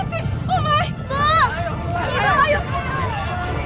sirika kamu gak berani mati